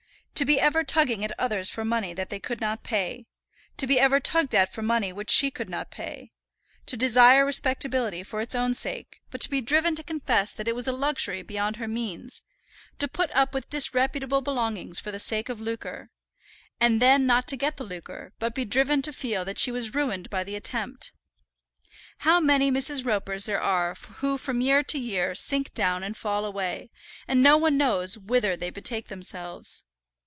To be ever tugging at others for money that they could not pay; to be ever tugged at for money which she could not pay; to desire respectability for its own sake, but to be driven to confess that it was a luxury beyond her means; to put up with disreputable belongings for the sake of lucre, and then not to get the lucre, but be driven to feel that she was ruined by the attempt! How many Mrs. Ropers there are who from year to year sink down and fall away, and no one knows whither they betake themselves!